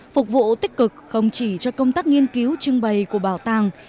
phục vụ tích cực không chỉ cho công tác nghiên cứu trưng bày của bảo tàng